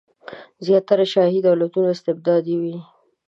زیاتره شاهي دولتونه استبدادي وي.